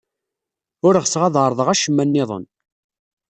Ur ɣseɣ ad ɛerḍeɣ acemma niḍen.